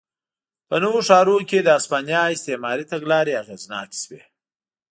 په نویو ښارونو کې د هسپانیا استعماري تګلارې اغېزناکې شوې.